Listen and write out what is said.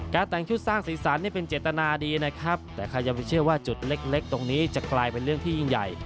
แต่งชุดสร้างสีสันนี่เป็นเจตนาดีนะครับแต่ใครจะไปเชื่อว่าจุดเล็กตรงนี้จะกลายเป็นเรื่องที่ยิ่งใหญ่